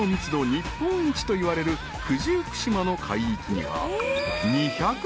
日本一といわれる九十九島の海域には］